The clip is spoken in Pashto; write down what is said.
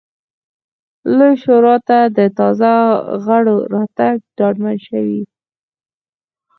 لویې شورا ته د تازه غړو راتګ ډاډمن شوی و